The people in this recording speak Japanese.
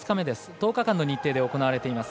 １０日間の日程で行われています。